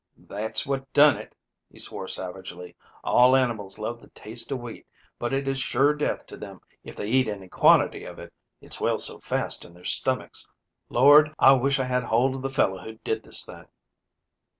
"That's what done it," he swore savagely. "All animals love the taste of wheat, but it is sure death to them if they eat any quantity of it. It swells so fast in their stomachs. Lord, I wish I had hold of the fellow who did this thing."